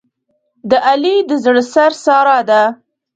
د علي د زړه سر ساره ده.